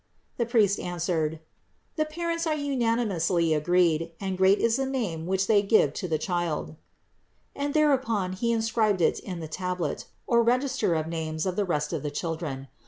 The priest answered : "The parents are unanimously agreed, and great is the name which they give to the Child" ; and thereupon he inscribed it in the tablet or register of names of the rest of the children.